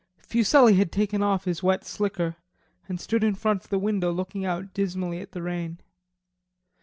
Fuselli had taken off his wet slicker and stood in front of the window looking out dismally at the rain.